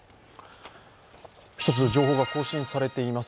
１つ情報が更新されています。